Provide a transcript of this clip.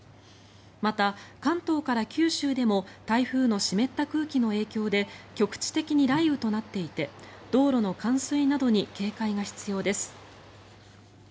また、関東から九州でも台風の湿った空気の影響で局地的に雷雨となっていて道路の冠水などに警戒が必要です。